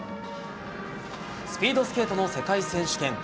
スピードスケートの世界選手権。